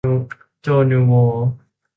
โจ นูโว